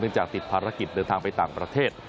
จากติดภารกิจเดินทางไปต่างประเทศ